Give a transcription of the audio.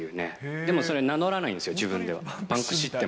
でもそれ、名乗らないんです、自分では。